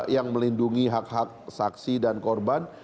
yang melindungi hak hak saksi dan korban